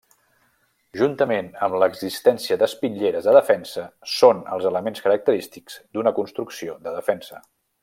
Juntament amb l'existència d'espitlleres de defensa són els elements característics d'una construcció de defensa.